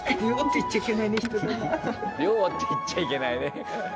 量って言っちゃいけないね。